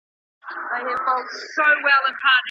په عوض کې د نجلۍ ورکول ناروا عمل دی.